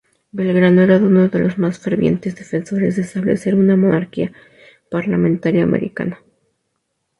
Belgrano era uno de los más fervientes defensores de establecer una monarquía parlamentaria americana.